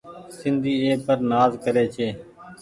سندي اي پر نآز ڪري ڇي ۔